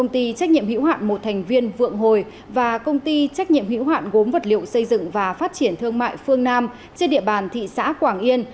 công ty trách nhiệm hữu hạn một thành viên vượng hồi và công ty trách nhiệm hữu hoạn gốm vật liệu xây dựng và phát triển thương mại phương nam trên địa bàn thị xã quảng yên